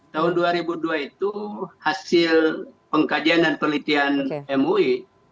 tahun dua ribu dua itu hasil pengkajian dan penelitian mui